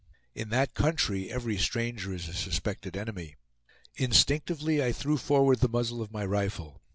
In that country every stranger is a suspected enemy. Instinctively I threw forward the muzzle of my rifle.